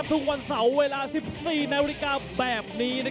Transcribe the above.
ทุกวันเสาร์เวลา๑๔นาฬิกาแบบนี้